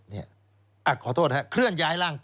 สวัสดีครับคุณผู้ชมค่ะต้อนรับเข้าที่วิทยาลัยศาสตร์